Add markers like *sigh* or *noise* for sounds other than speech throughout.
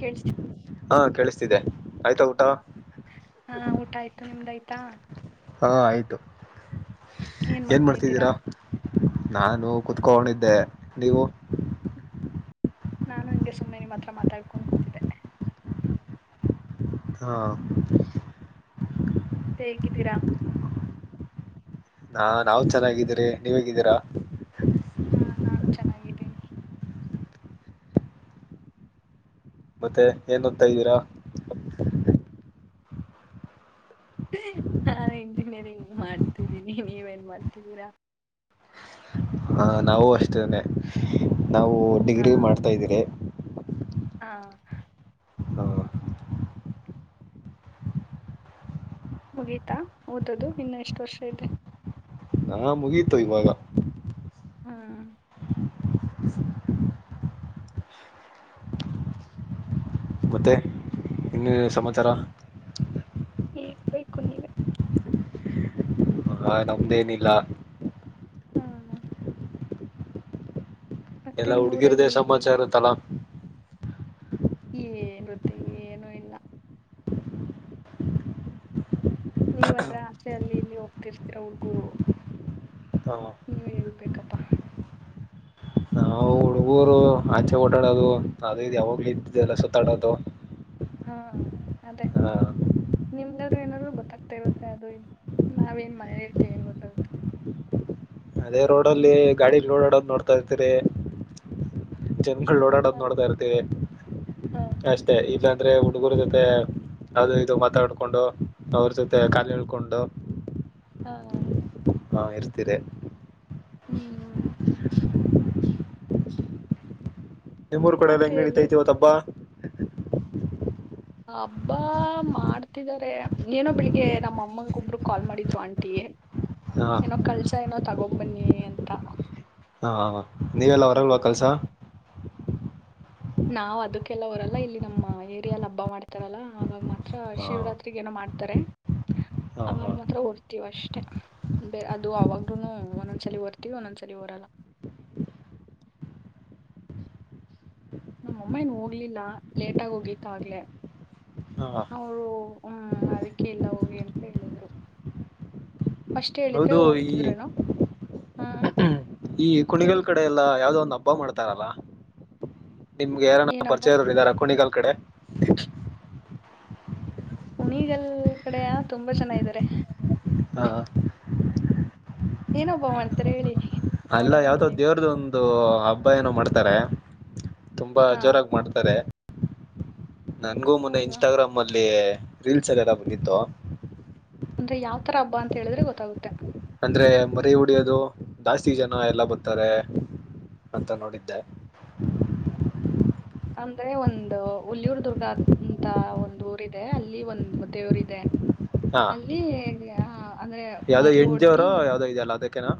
ಕೇಳ್ಿಸತೀ ಹಾ ಕೇಳಿಸ್ತಿದ್ದೆ ಹಾ ಹಾ ಊಟ ಆಯ್ತು ನಿಮ್ದಾಯ್ತಾ ಹಾ ಆಯ್ತು ಏನ್ ಮಾಡ್ತಿದ್ದೀರಾ ನಾನು ಕುತ್ಕೊಂಡಿದ್ದೆ ನೀವು ನಾನು ಹಿಂಗೆ ಸುಮ್ನೆ ನಿಮ್ಮ್ ಹತ್ರ ಮಾತಾಡ್ಕೊಂಡ್ ಕೂತಿದ್ದೆ ಹಾ ತೇಗಿ ತೀರಾ ಹಾ ನಾವವು ಚೆನ್ನಾಗಿದ್ದೀರಿ ನೀವ ಹೇಗಿದ್ದೀರಾ ಹಾ ನಾನು ಚೆನ್ನಾಗಿದ್ದೀನಿ ಮತ್ತೆ ಏನ್ ಓದ್ತಾ ಇದ್ದೀರಾ ಹಾ ಇಂಜಿನಿಯರಿಂಗ್ ಮಾಡ್ತಿದ್ದೀನಿ ನೀವೇನ್ ಮಾಡ್ತಿದ್ದೀರಾ ಹಾ ನಾವು ಅಷ್ಟೇನೆ ನಾವು ಹ ಡಿಗ್ರಿ ಮಾಡ್ತಾ ಇದ್ದೀರಿ ಹಾ ಹ್ಮ ಮುಗೀತಾ ಓದೋದು ಇನ್ನ ಎಷ್ಟು ವರ್ಷ ಇದೆ ಹಾ ಮುಗೀತು ಇವಾಗ ಹ್ಮ್ ಮತ್ತೆ ಇನ್ನ ಸಮಾಚಾರ ಹ ಬೇಕು ನೀವೆ ಹ ನಮ್ದೇನಿಲ್ಲ ಹಾ ಮತ್ತೆ ಎಲ್ಲಾ ನಿಮ್ಮ್ ಹುಡುಗಿರ್ದೆೇ ಊರಲ್ಲಿ ಸಮಾಚಾರ ತಲಾ ಏ ಗೊತ್ತೆ ಏನುೂ ಇಲ್ಲ ನೀವ ಹತ್ರ ಆಸೆಯಲ್ಲಿ ಇಲ್ಲಿ ಹೋಗ್ತಿರ್ತೀರ ಹುಡ್ಗುರು ಹಾ ನೀವ ಹೇಗಬೇಕಪ್ಪಾ ಆಂಚೆ ಓಡಾಡೋದು ಅದು ಯಾವಾಗ್ಲ ಇದ್ದಿದೆಲ್ಲ ಸುತ್ತಾಡೋದು ಹಾ ಹಾ ನಿಮ್ದಾದ್ರು ಏನಾದ್ರು ಗೊತ್ತಾಗ್ತಾ ಇರುತ್ತೆ ಅದು ಇದು ನಾವೇಏನ್ ಮನೆ ಹೇಳ್ತೀವಿ ಏನ್ ಗೊತ್ತಾಗುತ್ತೆ ಅದೇ ರೋಡ್ ಅಲ್ಲಿ ಗಾಡಿ ಲೋಡ್ ಆಡೋದ್ ನೋಡ್ತಾ ಇರ್ತೀರಿ ಮಂ ಓಡಾಡೋದ್ ಹ ನೋಡ್ತಾ ಇರ್ತೀವಿ ಹಾ ಅಷ್ಟೇ ಇಲ್ಲಾಂದ್ರೆ ಹುಡುಗೂರ ಜೊತೆ ಅದು ಇದು ಮಾತಾಡ್ಕೊಂಡು ಅವ್ರ ಜೊತೆ ಕಾಲ ಹಳ್ಕೊಂಡು ಹಾ ಹಾ ಇರ್ತೀರಿ ಹ್ಮ್ ಹ್ಮ್ ನಿಮ್ಮೂರು ಕೂಡೆ ಎಲ್ಲ ಮತ್ತೆ ಹೆಂಗಗೆ ಎಲ್ಲಿ ಹಡಿತೈತಿವ ತಬ್ಬಾ ಹಬ್ಬಾ ಮಾಡ್ತಿದಿದ್ದಾರೆ ಏನೋ ಬೆಳಿಗ್ಗೆ ನಮ್ಮ ಅಮ್ಮನೊಬರು ಕಾಲ್ ಮಾಡಿದ್ರು ಆಂಟಿ ಹಾ ಏನೋ ಕಲ್ಸ ಏನೋ ತಗೊಬನ್ನಿ ಅಂತ ಹ ನೀವೆಲ್ಲ ಹೊರಗವಾ ನಮ್ಮಮ್ಮ ಕೆಲ್ಸ ನಾವ್ ಅದಕ್ಕೆಲ್ಲ ಹೊರಲ್ಲ ಇಲ್ಲಿ ನಮ್ಮ ಏರಿಯಲ್ಲಿ ಹಬ್ಬ ಮಾಡ್ತಾರಲ್ಲ ಆವಾಗ ಮಾತ್ರ ಹಾ ಶಿವರಾತ್ರಿಗ ಏನೋ ಮಾಡ್ತಾರೆ ಹಾ ಆಗ ಹಾ ಮಾತ್ರ ಹೊರ್ತೀವ ಅಷ್ಟೇ ಬೇರೆ ಅದು ಅವಾಗೂನು ಒಂದೊಂದ್ಸಲ ರ್ತಿಟವಿ ಒಂದೊಂದ್ಸಲಿ ಹರಲ್ಲ *inaudible* ನಮ್ಮ ಅಮ್ಮಾಯನ್ ಹೋಗ್ಲಿಲ್ಲ ಲೇಟಗ ಹೋಗಿತ ಆಗ್ಲೆೇ ಹಾ ಅವರು ಹ್ಮ್ ಅದಕ್ಕೆ ಇಲ್ಲ ಹೋಗಿ ಅಂತ ಹೇಳಿದ್ರು ಫಸ್ಟ್ ಹೇಳಿದ್ರೆ ಹೌದು ಈ ಹೋಗ್ತಿದ್ರೇನು ಹ್ಮ್ ಈ ಕುಣಿಗಲ್ ಕಡೆ ಎಲ್ಲಾ ಯಾವ್ದೋ ಒಂದು ಹಬ್ಬ ಮಾಡ್ತಾರಲ್ಲ ನಿಮ್ಗೆ ಯಾರನ ಏನಬ್ಬಾ ಪರಿಚಯರು ಇದ್ದಾರ ಕುಣಿಗಾಲ್ ಕಡೆ ಉಣಿಗಲ್ ಕಡೆಯ ತುಂಬಾ ಚೆನ್ನ ಇದಾರೆ ಹಾ ಏನೊಬ್ಬ ಮಾಡ್ತಾರೆ ಹೇಳಿದಿ ಅಲ್ಲ ಯಾವ್ದ ದೇವ್ರದ ಒಂದು ಹಬ್ಬ ಏನೋ ಮಾಡ್ತಾರೆ ತುಂಬಾ ಹಾ ಜೋರಾಗಿ ಮಾಡ್ತಾರೆ ನನ್ಗೂ ಮೊನ್ನೆ ಹೌದಾ ಇನ್ಸ್ಟಾಗ್ರಾಮ್ ಅಲ್ಲಿ ರೀಲ್ಸ್ ಎಲ್ಲಾರ ಬಂದಿತ್ತು ಅಂದ್ರೆ ಯಾವ್ತರ ಹಬ್ಬಾ ಅಂತ ಹೇಳಿದ್ರೆ ಗೊತ್ತಾಗುತ್ತೆ ಅಂದ್ರೆ ಮರಿ ಉಡಿಯೋದು ಜಾಸ್ತಿ ಜನ ಎಲ್ಲ ಬರ್ತಾರೆ ಅಂತ ನೋಡಿದ್ದೆ ಅಂದ್ರೆ ಒಂದು ಹುಲ್ಲಿಯೂರ್ ದುರ್ಗ ಅಂತ ಒಂದು ಊರ ಇದೆ ಅಲ್ಲಿ ಒಂದ್ ಮತ್ತೆಯ ರ್ ಇದೆ ಹಾ ಅಲ್ಲಿ ಅಂದ್ರೆ ಯಾವ್ದೋ ಮರಿ ಎಣ್ಜಿಯವರ ಹೊಡ್ದಿ ಯಾವ್ದೋ ಇದೆಯಲ್ಲ ಅದಕ್ಕನಾ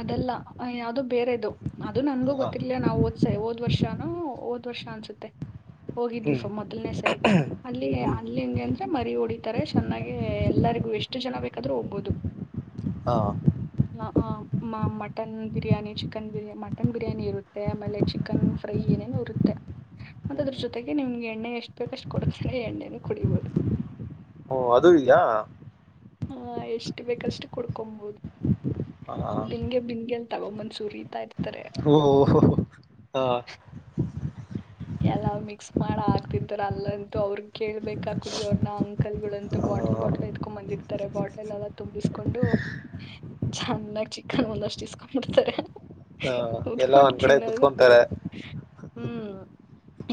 ಅದಲ್ಲ ಯಾವವು್ದದು ಬೇರೆದು ಅದು ನನ್ಗೂ ಹಾ ಗೊತ್ತಿಿಲ್ಲಲ ನಾವು ದ ಸರಿ ಹೋದ್ ವರ್ಷನೂ ಹಓದ್ ವರ್ಷ ಅನ್ಸುತ್ತೆ ಹೋಗಿದ್ವಿಫ ಹ್ಮ್ ಮೊದಲ್ನೆೇ ಸರಿ ಅಲ್ಲಿ ಹ್ಮ್ ಅಲ್ಲಿ ಹೆಂಗೆ ಅಂದ್ರೆ ಮರಿ ಹೊಡಿತಾರೆ ಚೆನ್ನಾಗೆ ಎಲ್ಲರಿಗೂ ಎಷ್ಟು ಜನ ಬೇಕಾದ್ರೂ ಹೋಗ್ಬೋದು ಹಾ ಹ ಹ ಮಟನ್ ಬಿರಿಯಾನಿ ಚಿಕನ್ ಬಿ ಮಟನ್ ಬಿರಿಯಾನಿ ಇರುತ್ತೆ ಆಮೇಲೆ ಚಿಕನ್ ಫ್ರೈ ಏನೇನುೋ ಇರುತ್ತೆ ಮತ್ತ ಹ್ಮ್ ಅದ್ರ ಹ್ಮ್ ಜೊತೆಗೆ ನಿಮ್ಗೆ ಎಣ್ಣ ಎಷ್ಟ್ ಬೇಕಷ್ಟು ಕೊಡತಾನೆ ಎಣ್ಣೆನ ಕುಡಿಬಹುದು ಓ ಅದು ಇದೆಯಾ ಹಾ ಎಷ್ಟು ಬೇಕಷ್ಟು ಕುಡ್ಕೊಬೋದು ಹಾ ಬಿಂಗೆ ಬಿಂದಗೆಲ್ ತಗೊ ಮನ್ಸೂರಿತಾ ಇರ್ತಾರೆ ಓ ಹಾ ಎಲ್ಲ ಮಿಕ್ಸ್ ಮಾಡ ಹಾಕ್ತಿರ್ತಾರ ಅಲ್ಲಂತೂ ಅವ್ರಗ್ ಕೇಳ್ಬೇಕಾ ಕುಡಿಯೋವ್ರನ ಅಂಕಲ್ ಗಳಂತೂ ಬಾಟ್ಲ್ ಬಾಟ್ಲ್ ಎತ್ಕೊಂಡ್ ಬಂದಿರ್ತಾರೆ ಬಾಟ್ಲ್ ಎಲ್ಲ ಎಲ್ಲ ತುಂಬಿಸ್ಕೊಂಡು ಚೆನ್ನಾಗ ಚಿಕನ್ ಒಂದ ಅಷ್ಟು ಇಸ್ಕೊಂಡಬಿಡ್ತಾರೆ ಹಾ ಎಲ್ಲ ೊಂಡ ಒಂದ್ ಕಡೆ ಚಿನ್ನದದ ಕುಡ ಕುತ್ಕೊಂತಾರೆ ಹ್ಮ್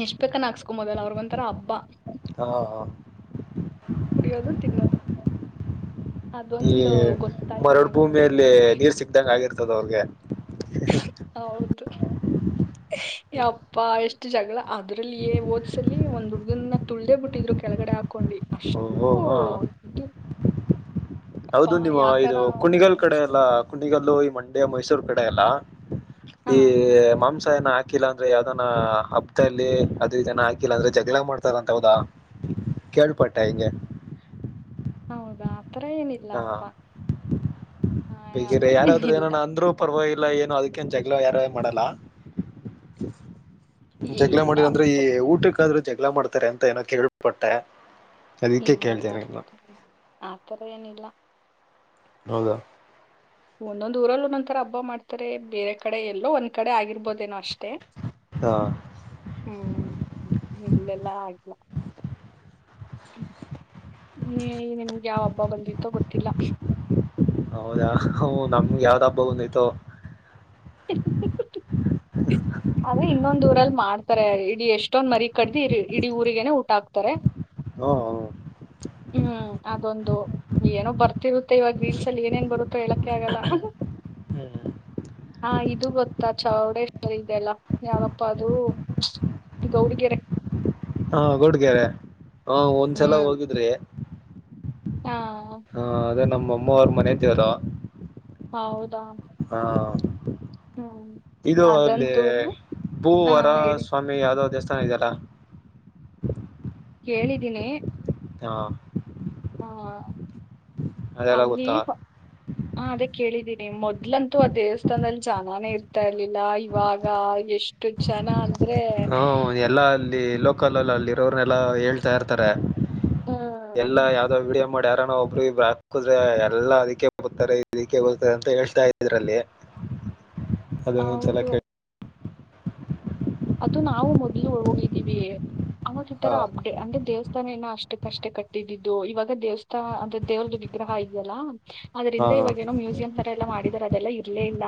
ಎಷ್ಟ್ ಬೇಕ ನ ಹಾಕ್ಸ್ಕೊ ಮೊದಲ್ ಅವ್ರಗ್ ಒಂಂತರ ಹಬ್ಬ ಹಾ ಹಾ ಕುಡಿಯೋದು ತಿನ್ನೋದು ಈ ಅದೊಂದು ಗೊತ್ತಾಯ್ತು ಮರಡ್ ನಂಗೆ ಭೂಮಿಯಲ್ಲಿ ಮೂರ್ ವರ್ಷ ನೀರ್ ಸಿಗದಂಗ ಆಗಿರ್ತದ ಅವ್ರಿಗೆ ದು *inaudible* ಯಪ್ಪಾ ಎಷ್ಟು ಜಗಳ ಅದ್ರಲ್ಲಿ ಓದ್ಸಲ್ಲಿ ಒಂದ್ ಹುಡುಗನ್ನ ತುಳ್ದ ಬಿಟ್ಟಿದ್ರು ಕೆಳಗಡೆ ಹಾಕೊಂಡ ನಡಿ ಅಷ್ಟ ಓ ಹಾ ಇದು ಅಪ್ಪ ಹೌದು ನಿಮ್ಮ ಯಾಕಾರ ಇದು ಕುಣಿಗಲ್ ಕಡೆ ಎಲ್ಲಾ ಕುಣಿಗಲ್ಲು ಈ ಮಂಡ್ಯ ಮೈಸೂರ್ ಈ ಹಾ ಮಾಂಸ ಏ ಹಾಕಿಲ್ಲ ಅಂದ್ರೆ ಯಾವ್ದನ ಹಬ್ಬದಲ್ಲಿ ಅದ್ರ ಇದನ ಹಾಕಿಲ್ಲ ಅಂದ್ರೆ ಜಗಳ ಮಾಡ್ತಾರಂತ ಹೌದಾ. ಕೇಳ್ಪಾಟ್ಟ ಹಂಗ. ಹೌದಾ ಆತ್ರರ ಏನಿಲ್ಲ ಅಪ್ಪ. ಬೇಗಿರೆ ಆತರ ಯಾರಾದ್ರು ಏನಿಲ್ಲ ಏನಾನ ಅಂದ್ರು ಪರವಾಗಿಲ್ಲ ಎಲ್ಲ ಏನು ಅದಕ್ಕೇನ್ ಜಲ ಯಾರೇ ಮಾಡಲ್ಲ. ಜಗ್ಗಳ ಇಲ್ಲ ಮಾಡಿಂದ್ರೆ ಈ ಅಪ್ಪಿ ಊಟಕ್ಕಾದ್ರೂ ಜಗ್ಗಳ ಮಾಡ್ತಾರೆ ಅಂತ ಏನೋ ಕೇಳ್ಪಟ್ಟೆ. ಅದಕ್ಕೆ ಇಲ್ಲ ಇಲ್ಲ ಕೇಳ್ದೆ ನಿಮ್ನ ಆತರ ಏನಿಲ್ಲ. ಹೌದ. ಒಂದೊಂದ್ ಊರಲ್ಲ ಒಂದೊಂತರ ಹಬ್ಬ ಮಾಡ್ತಾರೆ ಬೇರೆ ಕಡೆ ಎಲ್ಲೋ ಒಂದ್ ಕಡೆ ಆಗಿರ್ಬೋದೇನೋ ಅಷ್ಟೇ. ಹಾ ಹ್ಮ್ ಎಲ್ಲೆಲ್ಲಾ ಆಗ್ಲ್ಲ. ಹ್ಮ ನೀ್ಮ ನಿಮ್ಗೆ ಯಾವ ಹಬ್ಬ ಬಂದಿತ್ತೋ ಗೊತ್ತಿಲ್ಲ. ಹೌದಾ ಹ ನಮ್ಗೆ ಯಾವ್ದ ಹಬ್ಬ ಬಂದಯ್ತು. ಅದೇ ಇನ್ನೊಂದ್ ದೂರಲ್ಲಿ ಮಾಡ್ತಾರೆ ಇಡೀ ಎಷ್ಟೊಂದ್ ಮರಿ ಕಡ್ದಿ ಇ ಇಡೀ ಊರಿಗನೆ ಊಟ ಹಾಕ್ತಾರೆ. ಹಾ ಹ. ಹ್ಮ್ ಅದೊಂದು ಏನೋ ಬರ್ತಿರುತ್ತೆ ಇವಾಗ ರೀಲ್ಸ್ ಅಲ್ಲಿ ಏನೇನ್ ಬರುತ್ತೋ ಹೇಳಕ್ಕೆ ಆಗಲ್ಲ. ಹ್ಮ. ಹಾ ಇದು ಗೊತ್ತಾ ಚೌಡೇಶ್ವರಿ. ಇದೆಲ್ಲ ಯಾವಪ್ಪ ಅದು ಗೌಡಗೆರೆ. ಹಾ ಗುಡ್ಗ್ಯಾರ ಹಾ ಒಂದ್ಸಲ ಹ್ಮ್ ಹೋಗಿದ್ರಿ. ಹಾ. ಹಾ ಅದೇ ನಮ್ಮ ಅಮ್ಮ ಅವ್ರ. *unintelligible* ಹೌದಾ. ಹ ಹ್ಮ್ ಇದು ಅಲ್ಲಿ ಅದಂತೂ ಹಾ ಭೂವರ ಹೇಳಿ ಸ್ವಾಮಿ ಯಾವದ. *unintelligible* ಕೇಳಿದ್ದೀನಿ. ಹಾ. ಹಾ. ಅದೆಲ್ಲ ಗೊತ್ತ. ಹಾ ಅದೇ ಕೇಳಿದ್ದೀನಿ ಮೊದ್ಲಂತೂ ಆ ದೇವಸ್ಥಾನದಲ್ಲಿ ಜನಾನೇ ಇರ್ತಾ ಇರ್ಲಿಲ್ಲ ಇವಾಗ ಎಷ್ಟು ಜನ ಅ ಹ್ಮ ಎಲ್ಲಾ ಅಲ್ಲಿ ಲೋಕಲ್ ಅಲ್ಲ ಅಲ್ಲಿರೋರನೆ ಎಲ್ಲಾ ಹೇಳ್ತಾ ಇರ್ತಾರೆ. ಹ್ಮ್ ಎಲ್ಲಾ ಯಾವ್ದೋ ವಿಡಿಯ ಮಾಡ್ಯಾರನ ಒಬ್ಬರು ಇಬ್ರು ಹಾಕುದ್ರ ಎಲ್ಲಾ ಅದಕ್ಕೆ ಬತಾರೆ ಇದಕ್ಕೆ ಬತಾರೆ ಅಂತ ಹೇಳ್ತಾ ಇದ್ರಲ್ಲಿ. ಅದನ್ನು ಚಲ ಹೌದು ಕ ಅದು ನಾವು ಮೊದ್ಲು ಹೋಗಿದ್ದೀವಿ ಅನ್ನೋದ ಈ ಹಾ ತರ ಅಪ್ಡೇ ಅಂದ್ರೆ ದೇವಸ್ಥಾನ ತಾನನ ಅಷ್ಟಕ್ಕಷ್ಟೇ ಕಟ್ಟಿದ್ದಿದ್ದು ಇವಾಗ ದೇವಸ್ಥಾ ಅಂದ್ರೆ ದೇವ್ರದ ವಿಗ್ರಹ ಇದೆಯಲ್ಲಾ ಹಾ ಆದ್ರಿಂದ ಇವಾಗೇಏನೋ ಮ್ಯೂಸಿಯಂ ತರ ಎಲ್ಲಾ ಮಾಡಿದರೆ ಅದೆಲ್ಲ ಇರ್ಲೇ ಇಲ್ಲ.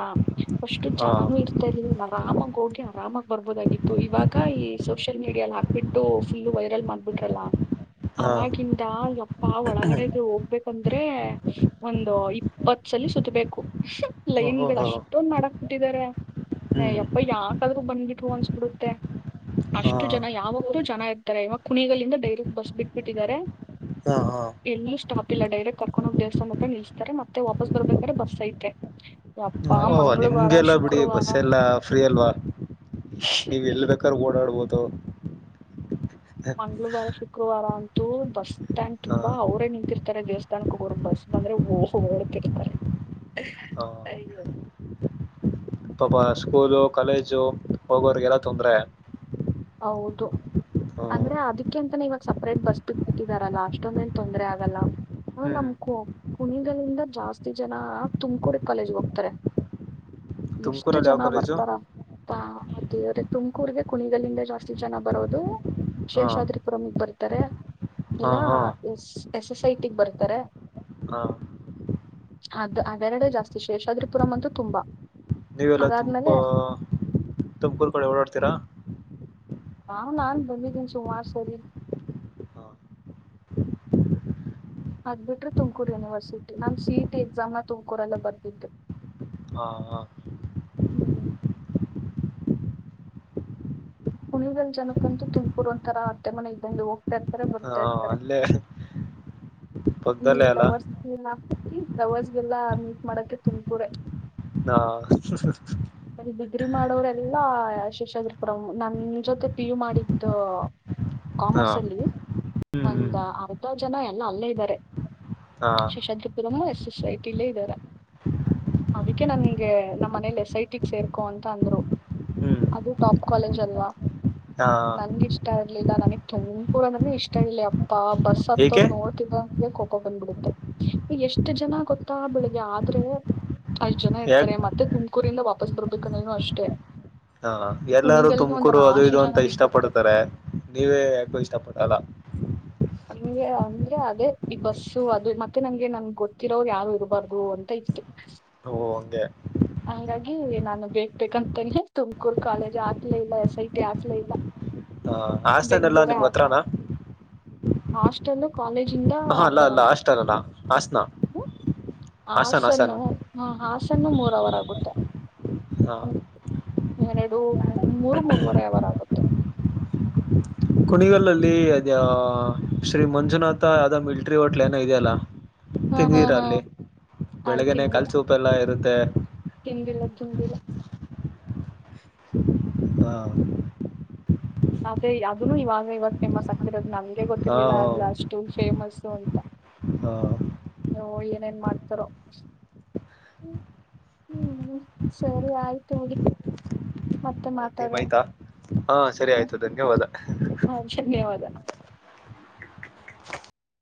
ಅಷ್ಟು ಹಾ ಜನನುೂ ಇರ್ತ ಇರ್ಲಿಲ್ಲ ಆರಾಮಗ್ ಹೋಗಿ ಆರಾಮ ಬರ್ಬೋದಾಗಿತ್ತು ಇವಾಗ ಈ ಸೋಷಿಯಲ್ ಮೀಡಿಯಲ್ಲಿ ಹಾಕ್ಬಿಟ್ಟು ಫುಲ್ ವೈರಲ್ ಮಾಡ್ಬಿಟ್ರಲ್ಲ. ಹಾ ಅವಾಗಿಂದ ಯಪ್ಪ ಒಳಗಡೆಗೆ ಹೋಗ್ಬೇಕ ಅಂದ್ರೆ ಒಂದು ಇಪ್ಪತ್ ಸಲ ಸತಬೇಕು ಓ ಲೈನ್ ಹೋ ಹೋ ಗಳುಷ್ಟೊಂದ ಮಾಡಕ್ ಟ್ಟಿದ್ದಾರೆ ಹ್ಮ್ ಯಪ್ಪ ಯಾಕಾದ್ರೂ ಬಂದ್ಗಿಟ್ಟ ಅನ್ಸಬಿಡುತ್ತೆ. ಹಾ ಅಷ್ಟು ಜನ ಯಾವಾಗಲೂ ಜನ ಇರ್ತಾರೆ ಇವಾಗ ಕುಣಿಗಲ್ಲಿದ ಡೈರೆಕ್ಟ್ ಬಸ್ ಬಿಟ್ಬಿಟ್ಟಿದ್ದಾರೆ. ಹಾ ಹಾ. ಎಲ್ಲೂ ಸ್ಟಾಪ್ ಇಲ್ಲ ಡೈರೆಕ್ಟ್ ಕರ್ಕೊಂಡು ಹೋಗ್ ದೇವಸ್ಥಾನ ಹ ನಿಲ್ಸ್ತಾರೆ ಮತ್ತೆ ವಾಪಸ್ ಬರ್ಬೇಕಾದ್ರ ಬಸ್ ಐತೆ. ಓಹ ಮಂಗಳವಾರ ನಿಮ್ಗೆಲ್ಲ ಬಿಡಿ ಶುಕ್ರವಾರ ಬಸ್ ಎಲ್ಲ ಫ್ರೀ ಅಲ್ವಾ. ನೀವ್ ಎಲ್ ಬೇಕ್ರೆ ಓಡಾಡ್ಬೋದು. ಮಂಗಳವಾರ ಶುಕ್ರವಾರ ಅಂತ ಬಸ್ ಸ್ಟ್ಯಾಂಡ್ ಹ ತುಂಬಾ ಅವರೇ ನಿಂತಿರ್ತಾರೆ ದೇವಸ್ಥಾನಕ್ಕೆ ಹೋಗೋರು ಬಸ್ ಬಂದ್ರೆ ಹ ಹೊಓಡ್ತಿರ್ತಾರೆ ಹ ಸರಿ ಪಾಪ ಸ್ಕೂಲು ಕಾಲೇಜು ಹೋಗೋರಿಗೆಲ್ಲ ತೊಂದರೆ ಹೌದು ಅಂದ್ರೆ ಅದಕ್ಕೆ ಅಂತಾನ ಇವಾಗ ಸಪ್ರೇಟ್ ಬಸ್ ಬಿಟ್ಟ ಬಿಟ್ಟಿದಾರಲ್ಲ ಅಷ್ಟೊಂದೇನ್ ತೊಂದ್ರರೆ ಆಗಲ್ಲ ಹ ಹ್ಮ್ ನಮ್ ಕು ಕುಣಗಗಳಿಂದ ಜಾಸ್ತಿ ಜನ ತುಮಕೂಡಿ ಕಾಲೇಜ್ ಹೋಗ್ತಾರೆ ತುಮಕೂರ ಯವ ಕಾಲೇಜು ಾ ಅದೇವ್ರೆ ತುಮಕೂರ್ಗೆ ಕುಣಿಗಲಂದ ಜಾಸ್ತಿ ಜನ ಬರೋದು ಹಾ ಶೇಷಾದ್ರಿಪುರಮಗ್ ಬರತ್ತೆ ಹಾ ಇಲ್ಲ ಹಾ ಎಸ್ ಎಸ್ ಐ ಟ ಬರ್ತಾರೆ ಹಾ ಅದು ಅವೆರಡೆ ಜಾಸ್ತಿ ಶೇಷಾದ್ರಿಪುರಂ ಅಂತೂ ತುಂಬಾ ನೀವೆಲ್ಲ ತುಮಕು ಅದಾದ್ಮೇಲೆ ತುಮಕೂರ್ ಕಡೆ ಓಡಾಡ್ತೀರಾ ಹ ನಾನು ಬಂದಿದ್ದನ ಸುಮಾರು ಸರಿ ಹಾ ಹಗ್ಬಿಟ್ರೆ ತುಮಕೂರು ಯೂನಿವರ್ಸಿಟಿ ನಮ್ಮು ಸಿ ಟಿ ಎಕ್ಸಾಮ್ನ ತುಮಕೂರೆಲ್ಲ ಬರ್ದಿದೆ ಹಾ ಹ್ಮ್ ಕುುಣಿದಲ್ ಜನಕ್ಕಂತೂ ತುಮಕೂರ್ ಒಂಂತರ ಅತ್ತೆ ಮನೆ ಇದ್ದಂದು ಹೋಗ್ತಾ ಇರ್ತಾರೆ ಹಾ ಬರ್ತಾ ಇರ್ತಾರೆ ಅಲ್ಲೇ ಈ ಪಕ್ಕದಲ್ಲೇ ಅಲ್ಲ ಲವರ್ಸ್ ಹಾಕ್ತತಿ ಲವರ್ಸ್ಗೆಲ್ಲಾ ಮೀಟ್ ಮಾಡಕ ತುಂಬತೂರ ಹಾ ಡಿಗ್ರಿ ಮಾಡೋರೆಲ್ಲಾ ಶೇಷ್ ಆಗರ್ಪರ ನನ್ ಜೊತೆ ಪಿ ಯು ಮಾಡಿದ್ದ ಹಾ ಕಾಮರ್ಸ್ ಅಲ್ಲಿ ಹ್ಮ್ ಹ್ಮ್ ಒಂದ ಅರ್ಧ ಜನ ಎಲ್ಲ ಅಲ್ಲೇ ಇದ್ದಾರೆ ಹಾ ಶೇಷಾದ ಪುರಮಸ್ ಸೈಟ್ ಇಲ್ಲೇ ಇದಾರೆ ಅದಕ್ಕೆ ನಾನ ಹಗೆ ನಮ್ಮ ಮನಲ್ಲ ಸೈಟ್ ಸೇರ್ಕೋ ಅಂತ ಅಂದ್ರು ಹ್ಮ್ ಅದು ಟಾಪ್ ಕಾಲೇಜ್ ಅಲ್ವಾ ಹಾ ನನ್ಗೆ ಇಷ್ಟ ಇರ್ಲಿಲ್ಲ ನನಗ್ ತಂಪೂರ ನನಗೆ ಇಷ್ಟ ಇರ್ಲಿ ಅ ಅ ಬಸ್ ಏಕೆ ಹತ್ತೋದ್ ನೋಡ್ತಿದ್ದ ಕಕೊ ಬಂದ್ ಬಿಡುತ್ತೆ ಈ ಎಷ್ಟ್ ಜನ ಗೊತ್ತಾ ಬೆಳಿಗ್ ಆದ್ರೆ ಅಷ್ಟ್ ಜನ ಯಾಕ ಇರ್ತಾರೆ ಮತ್ತೆ ತುಮಕೂರಿಂದ ವಾಪಸ್ ಬರ್ಬೇಕಂದ್ರನು ಅಷ್ಟೇ ಹಾ ಎಲ್ಲಾರೂ ಕುಣಿಗಲ್ಗೆ ಒಂದ್ ತುಮಕೂರು ಅದು ರಾಶಿ ಇದು ಜನ ಅಂತ ಇಷ್ಟ ನಿಂತಿರ್ತಾರೆ ಪಡ್ತಾರೆ ನೀವೇ ಯಾಕು ಇಷ್ಟ ಪ ಅಲ್ಲ ನಮಗೆ ಅಂದ್ರೆ ಅದೇ ಈ ಬಸ್ಸು ಅದು ಮತ್ತೆ ನಂಗೆ ನನ್ಗೆ ಗೊತ್ತಿರೋರು ಯಾರು ಇರಬಾರ್ದು ಅಂತ ಓ ಹಂಗೆ ಹಾಗಾಗಿ ನಾನು ಬೇಕಕ್ಬೇಕಂತಂಗೆ ತುಮಕೂರು ಕಾಲೇಜ್ ಆಗ್ಲೇ ಇಲ್ಲ ಎಸ್ ಐ ಟಿ ಆಕ್ಲೇ ಇಲ್ಲ ಹ ಆಸ್ತನೆಲ್ಲಾ ನಿಮ್ ಹತ್ರನಾ ಹಾಸ್ಟೆಲ್ ಕಾಲೇಜ್ ಹಾ ಅರ್ಧ ಅಲ್ಲ ಅಲ್ಲ ಹಾಸ್ಟೆಲ್ ಅಲ್ಲ ಹಾಸನ ಹಾಸನ್ ಹಾಸನ್ ಗಂಹಾಸನ್ನು ಹ ನ್ನು ಮೂರ ಅವರ್ ಆಗುತ್ತೆ ಹಾ ಎರಡು ಮೂರ್ ಮೂರರುವರೆ ಅವರಗುತ್ತೆ ಕುಣಿಗಲ್ಲಲ್ಲಿ ಅದ ಶ್ರೀ ಮಂಜುನಾಥ ಯ ಮಿಲ್ಟ್ರಿ ಹೋಟ್ಲ್ ಏನ ಇದೆಯಲ್ಲ ಹಾ ಹಾ ತಿಂದೀರ ಹಾ ಅಲ್ಲಿ ಅಲ್ ಬೆಳಗ್ನೆ ತಿಂದಿಲ್ಲ ಕಲ್ಸೂಪ ಎಲ್ಲ ಇರುತ್ತೆ ತಿಂದಿಲ್ಲ ತಿಂದಿಲ್ಲ ಹಾ ಅದೇ ಅದನು ಇವಾಗ ಇವಾಗ ಫೇಮಸ್ ಆಗ್ತಿರೋದು ನಮಗೆ ಹಾ ಹಾ ಗೊತ್ತಿರ್ಲಿಲ್ಲ ಅಲ್ಲ ಅಷ್ಟು ಫೇಮಸ್ಸು ಅಂತ ಹಾ ನೀವು ಏನೇನ್ ಮಾಡ್ತಾರೋ ಹ್ಮ ಹ್ಮ್ ಸರಿ ಆಯ್ತು ನಡಿ ಮತ್ತ ಓ, ಟೈಮ್ ಮಾತಾರೆ ಆಯ್ತಾ ಹಾ ಸರಿ ಹ ಆಯ್ತು ಧನ್ಯವಾದ ಹಾ ಧನ್ಯವಾದ